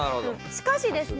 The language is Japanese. しかしですね。